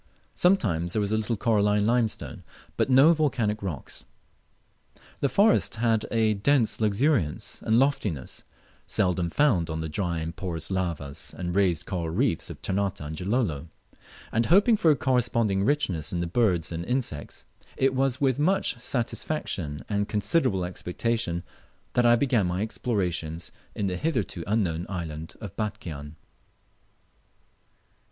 Sometimes there was a little coralline limestone, but no volcanic rocks. The forest had a dense luxuriance and loftiness seldom found on the dry and porous lavas and raised coral reefs of Ternate and Gilolo; and hoping for a corresponding richness in the birds and insects, it was with much satisfaction and with considerable expectation that I began my explorations in the hitherto unknown island of Batchian.